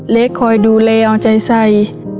เล็กคอยดูแลเอาใจใส่